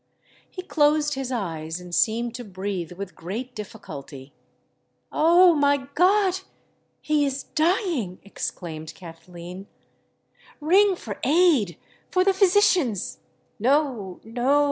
He closed his eyes, and seemed to breathe with great difficulty. "Oh! my God—he is dying!" exclaimed Kathleen: "ring for aid—for the physicians——" "No—no!"